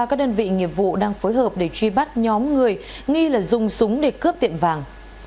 các đơn vị nghiệp vụ đang phối hợp để truy bắt nhóm người nghi là dùng súng để cướp tiệm vàng